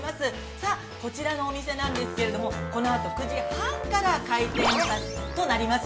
さあ、こちらのお店なんですけれども、このあと、９時半から、開店となります。